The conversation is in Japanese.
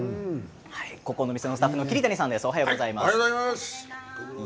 ここの店のスタッフの桐谷さんです。